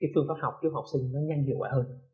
phương pháp học cho học sinh nó nhanh nhiều quá hơn